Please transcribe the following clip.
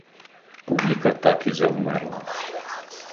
Публіка так і завмерла.